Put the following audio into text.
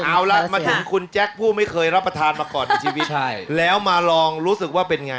เอาล่ะมาถึงคุณแจ๊คผู้ไม่เคยรับประทานมาก่อนในชีวิตใช่แล้วมาลองรู้สึกว่าเป็นไง